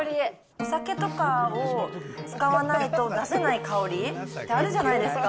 お酒とかを使わないと出せない香りってあるじゃないですか。